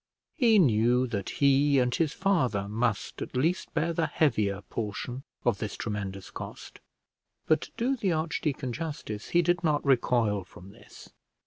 He knew that he and his father must at least bear the heavier portion of this tremendous cost; but to do the archdeacon justice, he did not recoil from this.